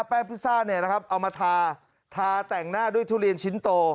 พิซซ่าเนี่ยนะครับเอามาทาทาแต่งหน้าด้วยทุเรียนชิ้นโต